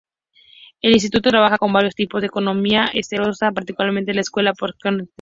El Instituto trabaja con varios tipos de Economía heterodoxa, particularmente la Escuela Post-Keynesiana.